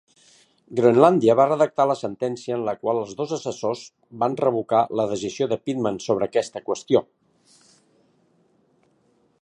Groenlàndia va redactar la sentència en la qual els dos assessors van revocar la decisió de Pitman sobre aquesta qüestió.